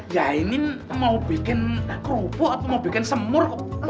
ya ini mau bikin kerupuk atau mau bikin semur kok